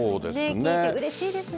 聞いて、うれしいですね。